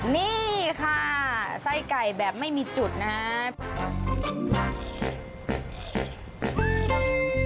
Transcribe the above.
นี่ค่ะไส้ไก่แบบไม่มีจุดนะครับ